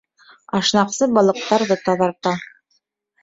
Ашнаҡсы балыҡтарҙы таҙарта.